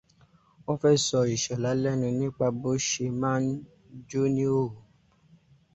Wọ́n fẹ́ sọ Ìsọ̀lá lẹ́nu nípa bó ṣe máa ń jó ní ìhòòhò